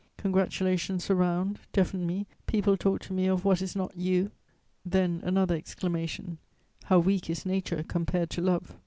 Congratulations surround, deafen me... people talk to me of what is not you! 'Then another exclamation: "'How weak is nature compared to love!'